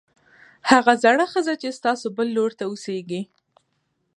هغه زړه ښځه چې ستاسو بل لور ته اوسېږي